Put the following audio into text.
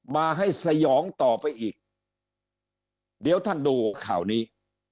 มาให้สยองต่อไปอีกเดี๋ยวท่านดูข่าวนี้